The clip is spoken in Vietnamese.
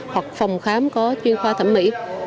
hoặc phòng khám có chuyên khoa thẩm mỹ